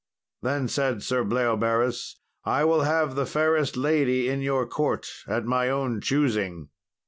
Then said Sir Bleoberis, "I will have the fairest lady in your court, at my own choosing."